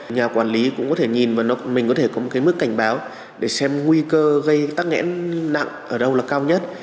nhà quản lý cũng có thể nhìn và mình có thể có một cái mức cảnh báo để xem nguy cơ gây tắc nghẽn nặng ở đâu là cao nhất